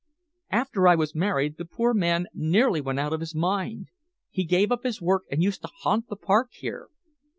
After I was married, the poor man nearly went out of his mind. He gave up his work and used to haunt the park here.